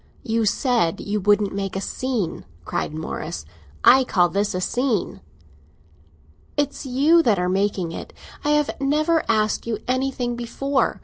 "You said you wouldn't make a scene!" cried Morris. "I call this a scene." "It's you that are making it! I have never asked you anything before.